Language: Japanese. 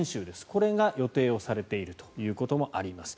これが予定されているということもあります。